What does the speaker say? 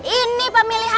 ini pemilihan rw